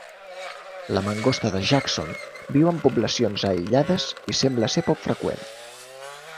La mangosta de Jackson viu en poblacions aïllades i sembla ser poc freqüent.